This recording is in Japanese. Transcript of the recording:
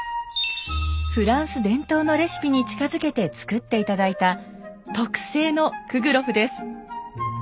フランス伝統のレシピに近づけて作って頂いた特製のクグロフです。